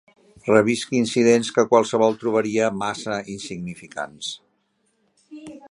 Revisc incidents que qualsevol trobaria massa insignificants